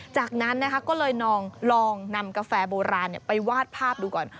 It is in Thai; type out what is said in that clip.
จากนั้นนะคะก็เลยลองนำกาแฟโบราณไปวาดภาพดูก่อน